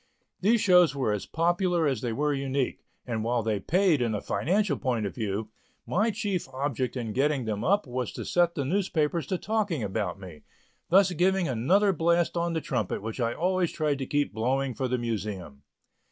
These shows were as popular as they were unique, and while they paid in a financial point of view, my chief object in getting them up was to set the newspapers to talking about me, thus giving another blast on the trumpet which I always tried to keep blowing for the Museum.